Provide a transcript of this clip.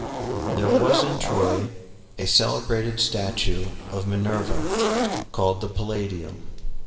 ] There was in Troy a celebrated statue of Minerva called the Palladium.